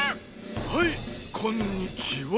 はいこんにちは。